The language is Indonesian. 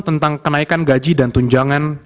yang diberikan gaji dan tunjangan